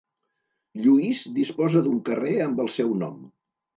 Lluís disposa d'un carrer amb el seu nom.